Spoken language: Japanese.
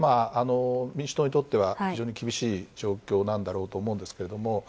民主党にとっては非常に厳しい状況なんだろうと思うんですけど